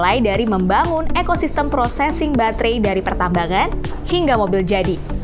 mulai dari membangun ekosistem processing baterai dari pertambangan hingga mobil jadi